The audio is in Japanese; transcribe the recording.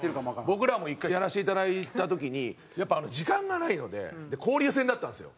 僕らも１回やらせていただいた時に時間がないので交流戦だったんですよ。